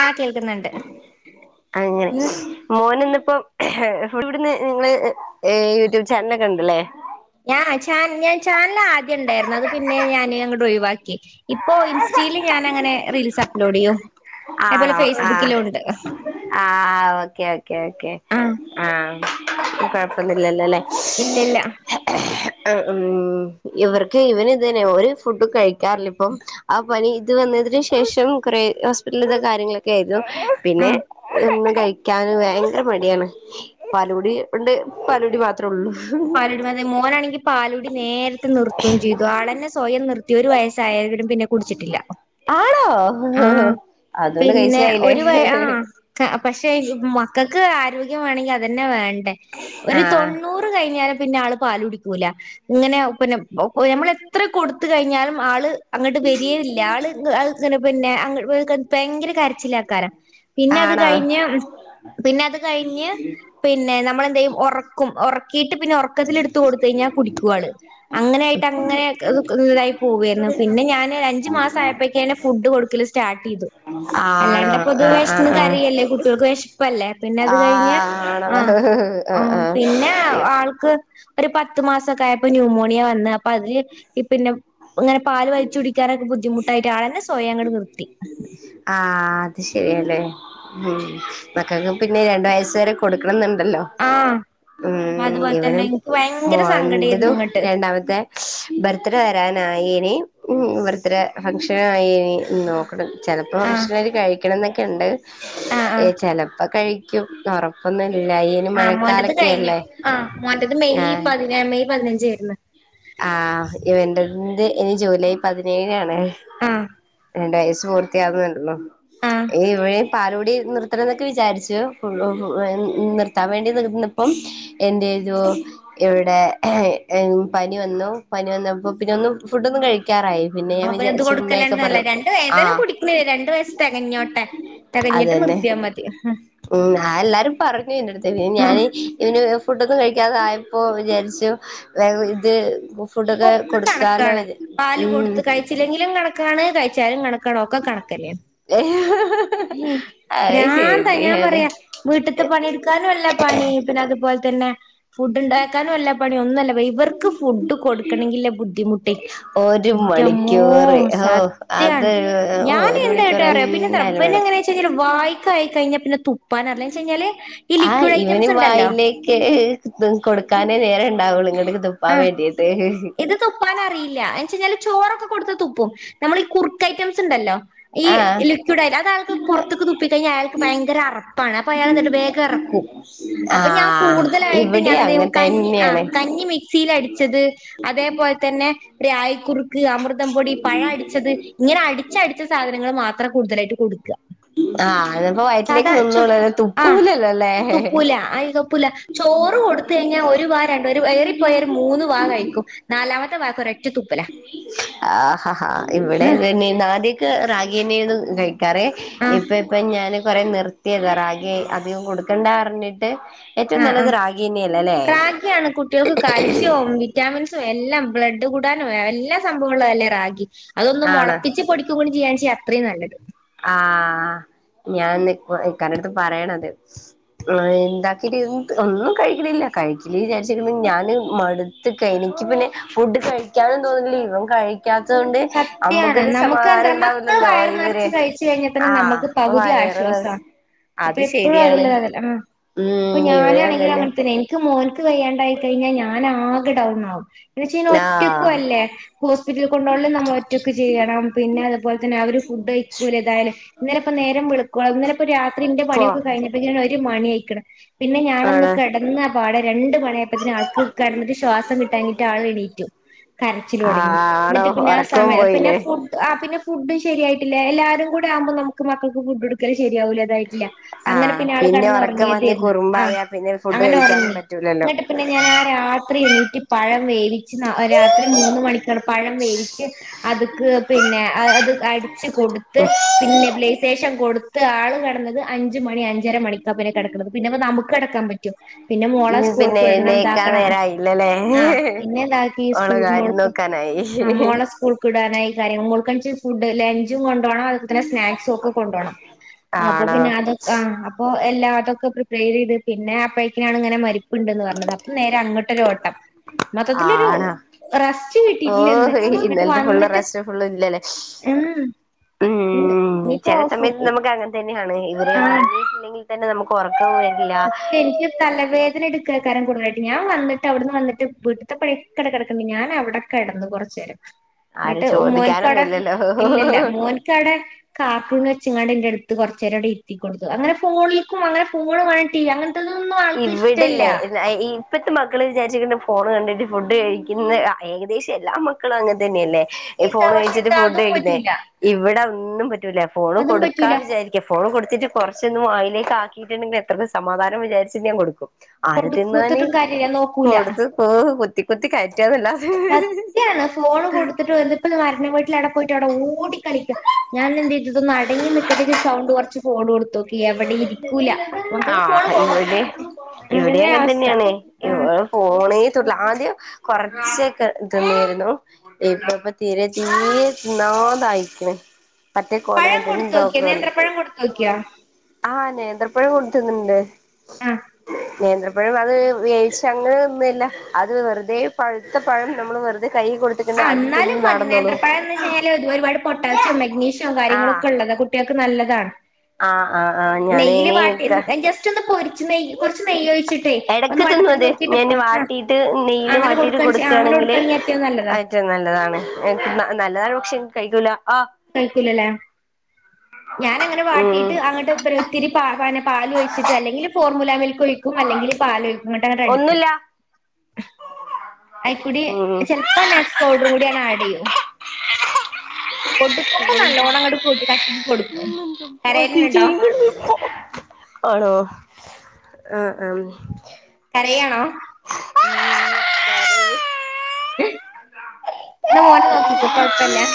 ആഹ് കേൾക്കുന്നുണ്ട് അങ്ങനെ മോന് ഇന്നിപ്പം ഇവിടെന്ന് നിങ്ങള് യൂട്യൂബ് ചാനലൊക്കെ ഉണ്ടല്ലേ ഞാൻ ചാന ഞാൻ ചാനൽ ആദ്യം ഉണ്ടായിരുന്നു അത് പിന്നെ ഞാന് അങ്ങട്ട് ഒഴിവാക്കി ഇപ്പോ ഇൻസ്റ്റയിൽ ഞാൻ അങ്ങനെ റീൽസ് അപ്ലോഡ് ചെയ്യോ ആണോ ആഹ് ആഹ് ഓക്കെ ഓക്കേ ആഹ് ആഹ് കുഴപ്പില്ലല്ല അല്ലേ ഇല്ലല്ല ഉം ഇവർക്ക് ഇവന് ഇത് തന്നെ ഒരു ഫുഡ് കഴി ക്കാറില്ല ഇപ്പം ആ പനി വന്നതിന് ശേഷം കുറെ ഉള്ളത് കാര്യങ്ങളൊക്കെ ആയിരുന്നു പിന്നെ ആഹ് ക കിക്കൻ ഭയങ്കര മടിയാണ് പലൂടി ഉണ്ട് പലടി മാത്ര പാലൂടി മത മോനാണെങ്കിൽ പാലുടി നേരത്തെ നിർത്തുകയും ചെയ്തു ആളന്നെ സ്വയം നിർത്തി ഒരു വയ ായും ന്നെ കുടിച്ചിട്ടില്ല ആണോ അതുകൊണ്ട് പിന്നെ കഴിച്ചിലായില്ലേ പക്ഷെ നമക്ക് ആരോഗ്യം വണമെങ്കിൽ അത്ന്ന വേ ഒരു ആഹ് തൊണ്ണൂ കഴിഞ്ഞാലും പിന്നെ ആ പാല കുടിക്കൂല ഇങ്ങനെ പിന്നെ നമ്മള എത്ര കൊടുത്ത കഴിഞ്ഞാലും ആള് അങ്ങോട്ട് വരിയ ഇല്ല ആള്ങ്ങെ പിന്നെ ഭയങ്കര കരച്ചില്ല ആക്കാരം പിന്നെ അത് ആണോ കഴിഞ്ഞ് പിന്നെ അത് കഴിഞ്ഞ് പിന്നെ നമ്മളെന്ത ചെയ്യും ഉറക്കുംറ കീട്ട് പിന്നെ ഉറക്കത്തി എടുത്ത കൊടുത്ത കഴിഞ്ഞാൽ കുടിക്കുള് അങ്ങനെ ആയിട്ട് അങ്ങനെ ഇതായി പോവായിരുന്നു പിന്നെ ഞാൻ അഞ്ചു മാസം ആയപ്പോക്കെ ഫുഡ് കൊടുക്കല് സ്റ്റാർട്ട് ചെയ്തു ആണോ അല്ലാണ്ട്പ്പ ഇത് ആഹ് വിശന്ന് ആഹ് ആഹ് കറല്ലേ കുട്ടികൾക്ക് വിശപ്പല്ലേ പിന്നെ അത് കഴിഞ്ഞ ആഹ് ആണോ ആ ആഹ് ആ ആഹ് ആഹ് പിന്നെ ഒരു പത്ത് മാസക്കെ ആയപ്പോ ന്യൂമോണിയ വന്ന അപ്പ അതില് പിന്നെനെ പാല് വലിച്ചു കുടിക്കാാനൊക്കെ ബുദ്ധിമുട്ടായിട്ട് ആളന്നെ സ്വയം അങ്ങട് നിർത്തി അത് ശരിയല്ലേ ഉ മക്കൾക്ക് പിന്നെ രണ്ട വയസ് വരെ കൊടുക്കണം എന്നുണ്ട് ആഹ് ഉ അതുപോലെ തന്നെ ഇവനും എനിക്ക് ഭയങ്കര സങ്കടായിരുന്നു മതുും ഇങ്ങട്ട് രണ്ടാമത്തെ ബർത്ത്ഡേ വരാന നി ഉ ബർത്ത് ഡേ ഫംഗ്ഷന ആയിന്നോ ഇ ചിലപ്പോൾ ആഹ് ഫംഗ്ഷനർ കഴിക്കണം എന്നൊക്കെണ്ട് ആഹ് ആഹ് ചിലപ്പോൾ കഴി ക്കും ഉറപ്പൊ ആ് മോൻ്റത് കഴിഞ്ഞു ആ മോൻ്റത് മെയ് ആഹ് പതിന മെയ് പതിനഞ്ച് ച്ചാർന്ന് ആഹ് ഇവന്റെത് ഇനി ജൂലൈ പതിനേഴിന ആണ് ആഹ് രണ്ട വയസ്സ് പൂർത്തിയാകുന്നുണ്ടല്ലോ ആഹ് ഇവന് പാലോടി നിർത്തണം എന്നൊക്കെ വിചാരിച്ചു ഫു നിർത്താൻ വേണ്ടി നിർന്നപ്പം എൻ്റെ ഒരു ഇവിടെ പനി വന്നു പനി വന്ന അപ്പോ പിന്നെ ഒന്ന് ഫുഡ് ഒന്നും കഴിക്കും കഴിക്കാറായി പിന്നെ ഞാൻ അപ്പൊ ഇത് കൊടുക്കലന്നെ ചുമ്മയൊക്കെ നല്ലേ പറഞ്ഞു രണ്ട് ആ ഏതായാലും കുടിക്കണില്ല രണ്ട് വയസ്സ് തികഞ്ഞോട്ടെ അത് തികഞ്ഞിട്ട് തന്നെ നിർത്തിയാ മതി ഉ ആ എല്ലാരും പറഞ്ഞു ഇന്റെടുത്ത് പി ഞാന് ഇന് ഫുഡൊന്നും കഴിക്കാതെ ഇപ്പോ ജനിച്ചു ത ഒക്ക കണക്കാണ് പാല് ഉം കൊടുത്ത് കഴിച്ചില്ലെങ്കിലും കണക്കാണ് കഴിച്ചാലും കണക്ക് ണ ഒക്കെ കണക്കനെയ അത് പ്രാന്ത് താ ഞാൻ ശരിയാണ് പറയാ വീട്ടത്ത് പണിയെടുക്കാനുംല്ല പണി പിന്നെ അതുപോലെ ന്നെ ഫുഡ് ഉണ്ടാക്കാനുംല്ല പണിയ ഒന്നുംല്ല ഇവർക്ക് ഫുഡ് കൊടു ആണെങ്ക ബുദ്ധിമു് ഒരു ഇമോ മണിക്കൂറ് ഓ അത് സത്യായാണ് ഞാന ഒരു മണിക്കൂർ എന്തായിട്ട് അറിയാം പിന്നെന്ത എന്തായാലും അവന വേണം എങ്ങനെ വെച്ച കഴിഞ്ഞാൽ വായക്കായി കഴിഞ്ഞാൽ പിന്നെ പതിനര ലൈൻ കെഞ്ഞാലേ ആ് ഇവന് വായിലേക്ക് കൊടുക്കാനേ നേര ഇണ്ടാവുള്ളു എപ്പാൻ ആഹ് വേണ്ടിട്ട് ഇത് തുപ്പാനറിയില്ല എന്നുവെച്ചാൽ ചോറൊക്കെ കൊടുത്ത തുപ്പും നമ്മൾ ഈ കുറുക്ക് ഐറ്റംസ് ഉണ്ടല്ലോ ഈ ആഹ് ലിക്വിഡ് ആയാലും ആൾക്ക് പുറത്തേക്ക് തുപ്പിക്കഴിഞ്ഞാൽ അയാൾക്ക് ഭയങ്കര അറപ്പാണ് അപ്പൊ അയാൾ എന്ത് വേഗം ഇറക്കും അപ്പൊ ഞാൻ ആഹ് കൂടുതലായിട്ട് ഇവിടെ ഞാൻ എന്ത ചെയ്യ അങ്ങനെ കഞ്ഞി ആ തന്നെയാണ് കഞ്ഞി മിക്സിൽ അടിച്ചത് അതേപോലെ തന്നെ ര ആയി കുറുക്ക് അമൃതം പൊടി പഴ അടിച്ചത് ഇങ്ങനെ അടിച്ചടിച്ച സാധനങ്ങൾ മാത്ര അത്ര കൂടുതലായിട്ട് കൊടുക്കുക ആഹ സാധാ ആ അല്ലേ തുപ്പൂല ആയി കപ്പൂല ചോറ് കൊടുത്ത കഴിഞ്ഞാൽ ഒരു വാ രണ്ട് ഒരു വയറിപ്പോയ ഒരു മൂന്ന് വാ കഴിക്കും നാലാമത്തെ വാ കൊറേ ആഹ ഹാ ഇവിടെതന്നെ ആദ്യൊക്കെ റാഗിയന്നെന്നു [unintelligible] കറ ആഹ് ഇപ്പ ഇപ്പ ഞാന് കൊറേ നിർത്തിയതാ റാഗി അധികം കൊടുക്കണ്ട ർഞ്ഞിട്ട് ആ ആ റാഗിയാണ് കുട്ടികൾക്ക് കാൽസ്യവും വിറ്റാമിൻ എല്ലാം ബ്ലഡ് കൂടാനും എല്ലാ സംഭവുള്ള അല്ലേ റഗി അതൊന്ന് ആണ് മുളപ്പിച്ച് പൊടിക്ക ചെയ്യാണ്ച്ചാ അത്രയും നല്ലത് ആഹ ഞാന് ഇക്കാന്റടുത്ത് പറയണത് ഇണ്ടാക്കിട്ട് ഒന്നും കഴിക്കണില്ല കഴിക്കില്ല വിചാരിച്ചി ഞാന് മടുത്ത് എനിക്ക് പിന്നെ ഫുഡ് കഴിക്കാനും തോന്നില്ല ഇവൻ കഴ ക്കാത്തത് കൊണ്ട് സത്യാണ് അമ്മക്കൊരു സമാധാനം ഉണ്ടാവില്ലല്ലോ ഇവര് കഴിഞ്ഞാൽ തന്നെ ആഹ് നമ്മുക്ക് പകുതി വയറ് നിറച്ച് ആശ്വാസാണ് അപ്പൊ അത് എപ്പോഴും ശരിയാണ് അതില്ലതല്ല അപ്പൊ ഉം ഇവര് ഞാനാണെങ്കിൽ അതന്നെ അങ്ങനെ തന്നെ എനിക്ക് മോ വയ്യാണ്ടായി കഴിഞ്ഞാൽ ഞാന് ആ കെ ഡൗണാവും ന്നാഴ്ച ഞാ ഒറ്റക്കും ആഹ് അല്ലേ ഹോസ്പിറ്റല കൊണ്ട് നമ്മൾ അതൊക്കെ ഒറ്റൊക്കെ ചെയ്യണം പിന്നെ അതുപോലെ തന്നെ അവര് ഫുഡ് കയ്‌ക്കൂല ഇതായാല് ഇന്നലെ പ്പം നേരം വെളുക്കോളം ഇന്നലെ പ്പം രാത്രി ന്റെ പോ പണിയൊക്കെ കഴിഞ്ഞപ്പത്തിന് ഒരു രു മണിയായ്ക്ക്‌ണ് പിന്നെ ഞാനൊന്ന് ആണ് കെടന്നപ്പാടെ രണ്ടു മണിയപ്പത്തിന് ആൾക്ക് കെ ടന്നിട്ട് ശ്വാസം കിട്ടാഞ്ഞിട്ട് ആൾ എണീറ്റു കരച്ചിൽ തൊടങ്ങി ആണോ എന്നിട്ട് പിന്നെ ആ ഉറക്കം സമയ പിന്നെ പോയില്ലേ ഫുഡ് ആ പിന്നെ ഫുഡ് ശരിയായിട്ടില്ല എല്ലാരും കൂടെ ആകുമ്പോ നമുക്ക് മക്കൾക്ക് ഫുഡ് കൊടുക്കൽ ശരിയാവൂല അതായിട്ടില്ല അങ്ങനെ ആഹ് പിന്നെ ആൾ കെടന്ന് ഒ ഉറക്കം വന്ന് റങ്ങിയതെര്ന്ന് ആ കുറുമ്പായ പിന്നെ ഫുഡ് അങ്ങനെ കഴിക്കാനും ഒറങ്ങി പറ്റൂലല്ലോ ഇന്ന്ട്ട് പിന്നെ ഞാൻ ആ രാത്രി എണീറ്റ് പഴം വേവിച്ച് രാത്രി മൂന്ന് മണിക്ക് പഴം വേവിച്ച് അത്ക്ക് പിന്നെ അത് അടിച്ച് കൊടുത്ത് പിന്നെ നെബു ലൈസേഷൻ കൊടുത്ത് ന്ന്ട്ട് ആള് കെടന്നത് അഞ്ച് മണി അഞ്ചര മണിക്കാണ് പിന്നെ കെട ക്കുന്നത് പിന്നെപ്പ നമുക്ക് കെ ട ക്കാൻ പറ്റോ പിന്നെ മോളെ ഉം പിന്നെ സ്കൂൾക്ക് വിടണം എഴുന്നേക്കാൻ ഇതാക്കണം നേരായില്ലല്ലേ ആഹ പിന്നെന്താക്കി ഓളെ സ്കൂൾക്ക് കാര്യം മോൾക്ക് നോക്കാനായി ആ മോളെ സ്കൂൾക്ക് വിടാനായി കാര്യം മോൾക്കാഴ്ച ഫുഡ് ലഞ്ചും കൊണ്ട് കാണാൻ എൾപ്പത്തിന് സ്നാക്സ ഒക്കെ കൊണ്ടോണം അപ്പൊ ആണോ പിന്നെ അതെക്ക അപ്പോ എല്ലാ അതൊക്കെ പ്രിപ്പയെയർ ചെയ്ത് പിന്നെ അപ്പഴത്തിനാണ് ഇങ്ങനെ മരി ഉണ്ടന്ന് പറഞ്ഞത് അപ്പം നേരെ അങ്ങോട്ടൊര് ഓട്ടം മൊത്തത്തിലൊരു ആണോ റസ് ഓ ഇന്നലത്തെ ഫുള്ള് റസ്റ്റ് ഫുള്ളും ഇല്ലല്ലേ ഉം ഇന്ന് ഉം ഇനിയിപ്പോ ചെല സമയത്ത് ഫുഡ് നമുക്ക് അങ്ങനെ തന്നെ ആണ് ഇവര് ഒറങ്ങിയിട്ടില്ലെങ്കി തെന്നെ നമക്കൊർ സിസ്റ്റ് എനിക്കി തലവേ വേതനെടുക്ക കരക്കൊറങ്ങായിട്ട് ഞാൻ വന്നിട്ട് അവിട്ന്ന് വന്നിട്ട് വീട്ട് ത്ത പൈകവിടെകിടക്ക്ണ്ട് ഞാനവിടെ കിടന്ന് കൊറച്ചേരം ആരും നിട്ട് ചോദിക്കാനൊന്നും മോൻകാടെ ഇല്ലില്ല ഇല്ലല്ലോ മോൻകാടെ കാ കുട്ടിനെ വെച്ചിങ്ങാണ്ട് ഇന്റെ എടുത്ത് കൊറച്ച് നേരടെ ഇര്ത്തി കൊടുത്ത് അങ്ങനെ ഫോണിലക്കും അങ്ങന ഫോൽക്കും പോണ ട്ടി അങ്ങന് ഇവിടില്ലേ ന്റെ മക്കള് വിചാരിച്ചിക്ക്ണ് ഫോണ് കണ്ടിട്ട് ഫുഡ് കഴിക്കിന്ന് ഏകദേശം എല്ലാ മക്കളും അങ്ങനെ തന്നെ അല്ലേ ഈ ഇത് ഫോൺ പക്ഷെ കഴിച്ചിട്ട് ഇത് ഫുഡ് അതും കഴിക്കിന്ന് പറ്റൂല ഇവിടെ ഇന്നും പറ്റി റ്റൂല ഫോണ് അതും കൊടുക്കാ പറ്റൂല വിചാരിക്ക ഫോണ് കൊടുത്തിട്ട് കൊറച്ചൊന്നും വായിലേക്കി കാക്കിയിട്ടുണ്ടെിൽ എത്ര ക്ക് സമാധാനം വിചാരിച്ച് ചിന്നീം കൊടുക്കും ആര് തിന്നാന് കൊടുത്തിട്ടും കാര്യല്ല നോക്കൂല കൊടുത്ത് പോവ് ക്കൊത്തി കയ സത്യാണ് ഫോണ് കൊടുത്തിട്ട് വന്ന ഇപ്പത മരണ വീട്ടിലാണ് പോയി ട്ടി ടെ ഓടിക്കളിക്ക ഞാനെന്ത് ചെയ് ഇതൊന്ന് അടങ്ങി നിക്കട്ടെച്ച് സൗണ്ട് കുറച്ച് കോഡ് കൊടുത്ത് ആ ഫോൺ പോകുമ്പോ ഇവിടെ ഇവിടെ അതന്നെ അങ്ങനെ അവസ്ഥ തന്നെയാണ് ഇ ആ ഫോണുള്ള ആദ്യം കൊറച്ചക്കെ തിന്നിായിരുന്നു ഇപ്പ ഇപ്പൊ തീരെ തീരെ തിന്നാതായിരിക്കണ് പഴം കൊടുത്തോക്കിയാ നേന്ത്ര പഴം കൊടുത്തു നോക്കിയ ആഹ നേതത്രപ്പുഴ കൊടുത്തന്നണ്ട് ആ അപ്പോഴും അത് വേഴിച്ച അങ്ങ ഒന്നുംല്ല അത് വെറുതെ പഴുത്ത പഴം നമ്മള് വെറുതെ കൈ കൊടുത്ത് ആ എന്നാലും മതി നേന്ത്രപ്പാഴം എന്ന് വെച്ച് കഴിഞ്ഞാൽ ഇ ഒരുപാട് പൊട്ടാസ്യം മഗ്നീഷ്യം കാര്യങ്ങളൊ ആഹ് ഒക്കെ ഉള്ളത് കുട്ടൾക്ക് നല്ല ആ ആഹ് ആഹ് ആഹ ഞാന ഇനക്ക കു നെയ് കുറച്ച് നെയ്യ്ഴു എടക്ക് ന്നും അതെ ഞൻ വാട്ടിട്ട് നെയയില് അങ്ങനെ വാട്ടിട്ട് കൊടുക്കാ അങ്ങനെ കൊടുക്കുകയാണെങ്കില് കൊടുക്കാണെങ്കിൽ ഏറ്റവും നല്ലതാ നല്ല നല്ലതാണ് എക്ക് നല്ലതാണ് പക്ഷെ കഴിക്കൂല ആ കല്ിക്കൂല്ലേ ഞാൻ അങ്ങനെ ഉം വാട്ടീയിട്ട് അങ്ങോട്ട് ഇ ഒത്തിരി പനെ പാ വഴിച്ചിട്ട് അല്ലെങ്കിൽ മുല വിൽ ഒഴിക്കും അല്ലെങ്കിൽ പാൊഴിക്കുംങ്ങട്ട് അങ്ങനെ അടിക്കും ഒന്നുല്ല അയിക്കൂടി ഉം ചെപ്പോ നാസ് പൗഡറും കൂടിയണ് ആഡ് ചെയ്യും കൊടുക്കുമ്പോ നല്ലോണം അങ്ങട്ട് കൂട്ടി കട്ടിക്ക് കൊടുക്കും കരയലിനുണ്ടോ ആണോ ആഹ് ആഹ് കരായാണോ? എന്നാ മോനെ നോക്കിക്കെ കൊഴപ്പല്ല